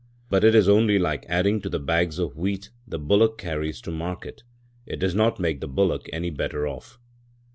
But it is only like adding to the bags of wheat the bullock carries to market; it does not make the bullock any better off.